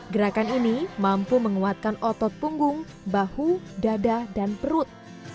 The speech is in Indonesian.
gerakan ini mampu menguatkan otot punggung bahu dada dan perut